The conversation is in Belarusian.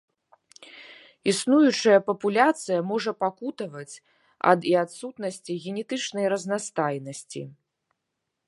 Існуючая папуляцыя можа пакутаваць ад і адсутнасці генетычнай разнастайнасці.